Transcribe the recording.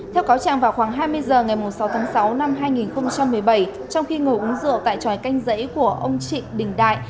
theo cáo trạng vào khoảng hai mươi h ngày sáu tháng sáu năm hai nghìn một mươi bảy trong khi ngủ uống rượu tại tròi canh giấy của ông trịnh đình đại